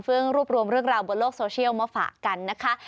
รวบรวมเรื่องราวบนโลกโซเชียลมาฝากกันนะคะ